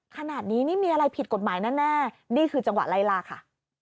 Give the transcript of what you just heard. ขนาดนี้นี่มีอะไรผิดกฎหมายแน่นี่คือจังหวะไล่ลาค่ะ